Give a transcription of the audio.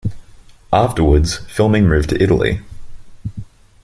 Afterwards, filming moved to Italy.